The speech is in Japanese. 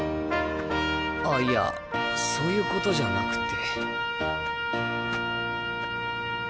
あいやそういうことじゃなくて。